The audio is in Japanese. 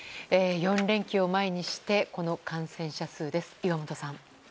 ４連休を前にしてこの感染者数です。